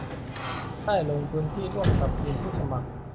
ได้ลงพื้นที่ร่วมกับทีมผู้สมัคร